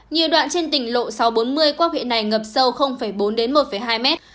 nhiều đoạn trên tỉnh lộ sáu trăm bốn mươi quốc huyện này ngập sâu bốn đến một hai mét